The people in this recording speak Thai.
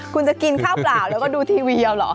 คุณจะกินข้าวเปล่าแล้วก็ดูทีวีเอาเหรอ